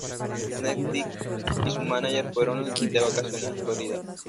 Neck Deep y su mánager fueron de vacaciones a Florida.